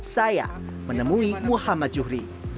saya menemui muhammad juhri